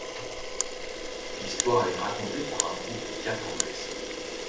L'histoire est racontée par un groupe de quatre adolescents.